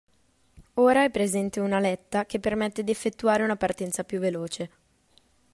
Ora è presente una aletta che permette di effettuare una partenza più veloce.